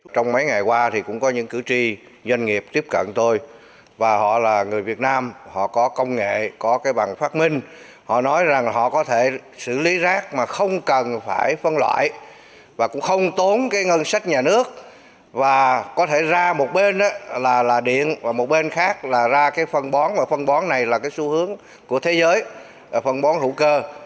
trong mấy ngày qua thì cũng có những cử tri doanh nghiệp tiếp cận tôi và họ là người việt nam họ có công nghệ có cái bằng phát minh họ nói rằng họ có thể xử lý rác mà không cần phải phân loại và cũng không tốn cái ngân sách nhà nước và có thể ra một bên là điện và một bên khác là ra cái phân bón và phân bón này là cái xu hướng của thế giới phân bón hữu cơ